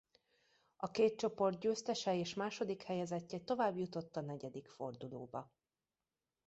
A két csoport győztese és második helyezettje továbbjutott a negyedik fordulóba.